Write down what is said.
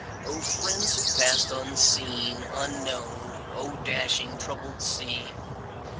O friends who passed unseen, unknown! O dashing, troubled sea!